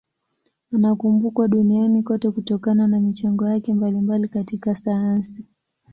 Anakumbukwa duniani kote kutokana na michango yake mbalimbali katika sayansi.